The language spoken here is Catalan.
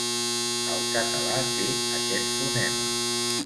El català té aquest fonema.